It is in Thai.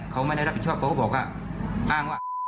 เขาไม่ได้รับผิดชอบเขาก็บอกว่าอ้างว่า